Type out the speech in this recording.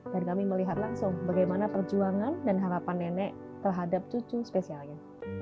dan kami melihat langsung bagaimana perjuangan dan harapan nenek terhadap cucu spesialnya